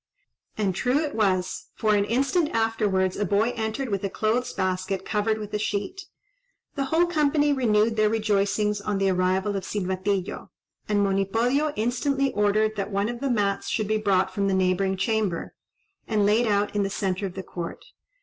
And true it was; for an instant afterwards, a boy entered with a clothes basket covered with a sheet. The whole company renewed their rejoicings on the arrival of Silvatillo, and Monipodio instantly ordered that one of the mats should be brought from the neighbouring chamber, and laid out in the centre of the court.